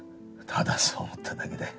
ただそう思っただけだよ。